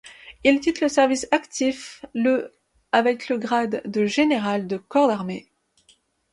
Il quitte le service actif le avec le grade de général de corps d'armée.